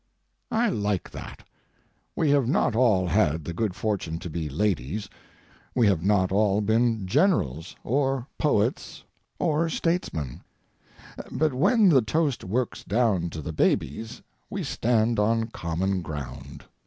I like that. We have not all had the good fortune to be ladies. We have not all been generals, or poets, or statesmen; but when the toast works down to the babies, we stand on common ground.